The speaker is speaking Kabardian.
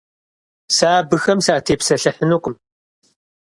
Сэ абыхэм сатепсэлъыхьынукъым.